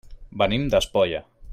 Venim d'Espolla.